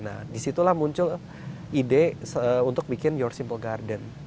nah disitulah muncul ide untuk bikin your simple garden